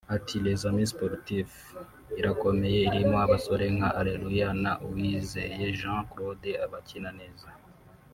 Ati “ Les Amis Sportifs irakomeye irimo abasore nka Areruya na Uwizeye Jean Claude bakina neza